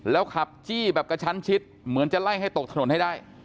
แล้วขับจี้แบบกระชั้นชิดเหมือนจะไล่ให้ตกถนนให้ได้